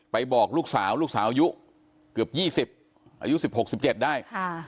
บอกลูกสาวลูกสาวอายุเกือบ๒๐อายุ๑๖๑๗ได้